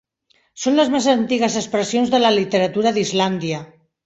Són les més antigues expressions de la literatura d'Islàndia.